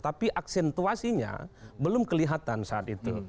tapi aksentuasinya belum kelihatan saat itu